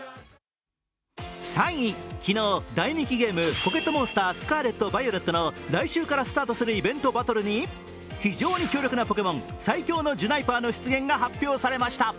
３位、昨日、大人気ゲーム「モンスタースカーレットバイオレット」の来週からスタートするイベントバトルに非常に強力なポケモン、最強のジュナイパーの出現が発表されました。